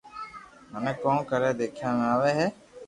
منو ڪون ڪوئي ديکيا ۾ آوي ھي